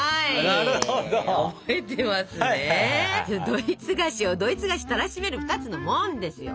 ドイツ菓子をドイツ菓子たらしめる２つの「モン」ですよ。